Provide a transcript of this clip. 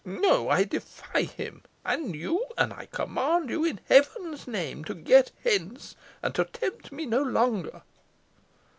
No; I defy him and you, and I command you in Heaven's name to get hence, and to tempt me no longer."